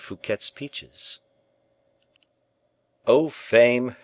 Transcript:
Fouquet's peaches." Oh, fame!